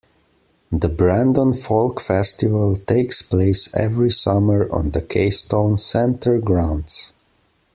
The Brandon Folk Festival takes place every summer on the Keystone Centre grounds.